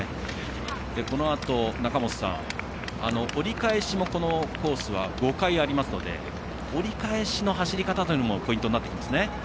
このあと、折り返しもこのコースは５回ありますので折り返しの走り方もポイントになってきますね。